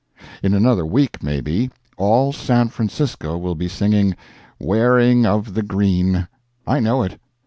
In another week, maybe, all San Francisco will be singing "Wearing of the Green!" I know it.